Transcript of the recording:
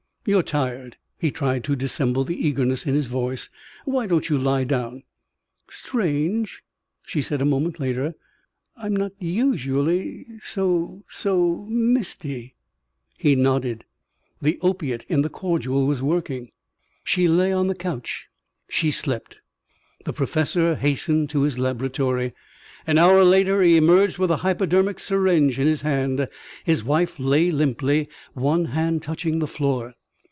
"You're tired." He tried to dissemble the eagerness in his voice. "Why don't you lie down?" "Strange," she said a moment later. "I'm not usually so so misty." He nodded. The opiate in the cordial was working. She lay on the couch. She slept. The professor hastened to his laboratory. An hour later he emerged with a hypodermic syringe in his hand. His wife lay limply, one hand touching the floor.